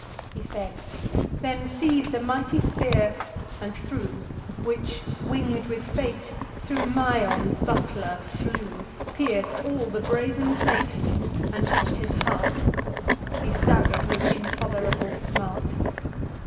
He said; then seiz'd a mighty spear, and threw; Which, wing'd with fate, thro' Maeon's buckler flew, Pierc'd all the brazen plates, and reach'd his heart: He stagger'd with intolerable smart.